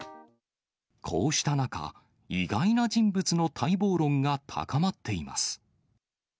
こうした中、意外な人物の待望論が高まっています。